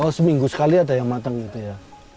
oh seminggu sekali ada yang matang gitu ya